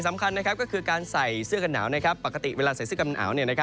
สำคัญก็คือการใส่เสื้อกันหนาวปกติเวลาใส่เสื้อกันหนาว